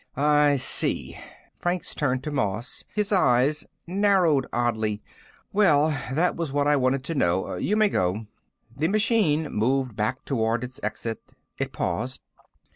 "I see." Franks turned to Moss, his eyes narrowed oddly. "Well, that was what I wanted to know. You may go." The machine moved back toward its exit. It paused.